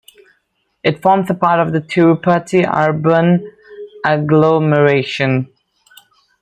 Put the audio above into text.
It forms a part of Tirupati urban agglomeration.